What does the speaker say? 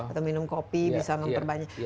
atau minum kopi bisa memperbanyak